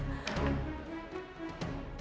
kamu gak peduli sama keselamatan orang orang di rumah ini